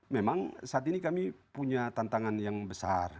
memang saat ini kami punya tantangan yang besar